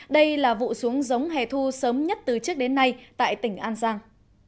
đây là vụ xuống giống hè thu sớm nhất từ trước đến nay tại tỉnh an giang